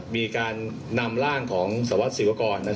มีการนำร่างของสวัสดิศิวกร